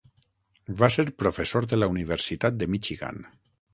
Va ser professor de la Universitat de Michigan.